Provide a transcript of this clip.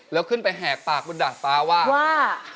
แล้วขึ้นไปแหกปากบนดาดฟ้าว่าว่า